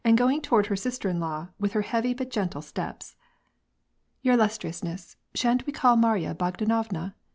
going toward her sister in law with her heavy but gentie steps. "Your illustriousness, shan't we call Marya Bogdanovna?"